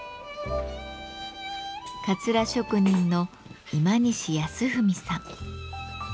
かつら職人の今西康文さん。